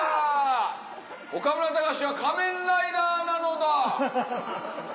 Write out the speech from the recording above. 岡村隆史は仮面ライダーなのだ！